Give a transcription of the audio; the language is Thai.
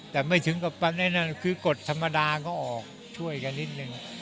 แต่ไม่ถึงกับประเด็นนั้นคือกฎธรรมดาเขาออกช่วยกันนิดนึง